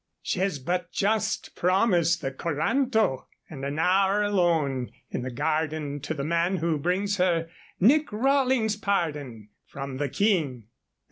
She has but just promised the coranto and an hour alone in the garden to the man who brings her Nick Rawlings' pardon from the King."